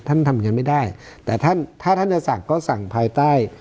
ทำอย่างนั้นไม่ได้แต่ท่านถ้าท่านจะสั่งก็สั่งภายใต้